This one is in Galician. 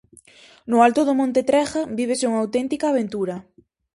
No alto do monte Trega vívese unha auténtica aventura.